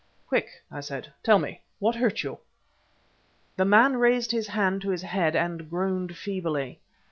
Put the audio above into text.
"Quick," I said. "Tell me what hurt you?" The man raised his hand to his head and groaned feebly.